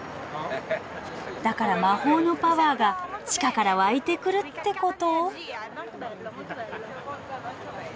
だから魔法のパワーが地下から湧いてくるってこと？